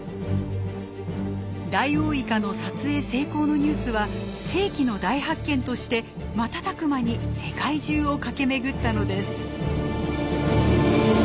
ダイオウイカの撮影成功のニュースは世紀の大発見として瞬く間に世界中を駆け巡ったのです。